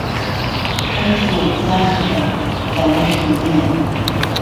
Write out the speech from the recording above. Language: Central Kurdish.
حەیفه و داخەکەم بایەخی نییە